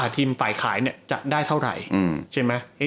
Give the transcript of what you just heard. ทีมฝ่ายขายจะได้เท่าไหร่ใช่ไหม